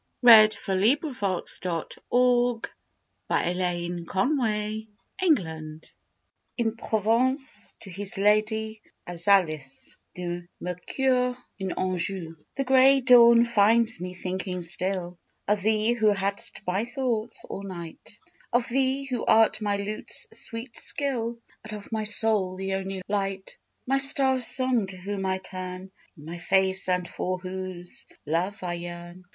it ne'er shall part. THE TROUBADOUR, PONS DE CAPDEUIL In Provence, to his Lady, Azalis de Mercœur in Anjou The gray dawn finds me thinking still Of thee who hadst my thoughts all night; Of thee, who art my lute's sweet skill, And of my soul the only light; My star of song to whom I turn My face and for whose love I yearn.